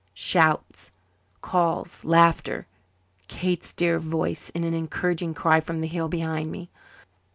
Shouts calls laughter Kate's dear voice in an encouraging cry from the hill behind me!